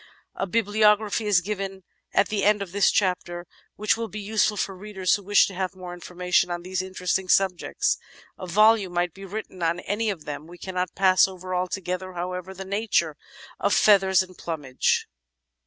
A bibliography is given at the end of this chapter which will be useful for readers who wish to have more information on these interesting subjects. A volume might be written on any one of them. We cannot pass over altogether, however, the nature of feathers and plumage.